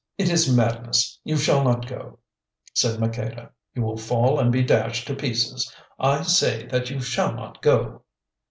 "It is madness; you shall not go," said Maqueda. "You will fall and be dashed to pieces. I say that you shall not go."